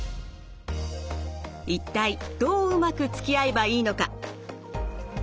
一体どううまくつきあえばいいのか。